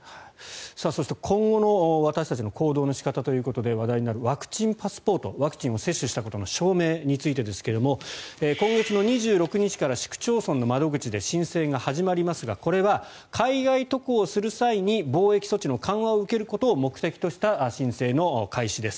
そして、今後の私たちの行動の仕方ということで話題になるワクチンパスポートワクチンを接種したことの証明ですが今月２６日から市区町村の窓口で申請が始まりますがこれは海外渡航をする際に防疫措置の緩和を受けることを目的とした申請の開始です。